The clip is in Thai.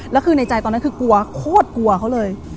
แล้วคือในใจตอนนั้นคือกลัวโคตรกลัวเขาเลย